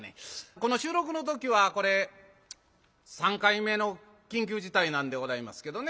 この収録の時はこれ３回目の緊急事態なんでございますけどね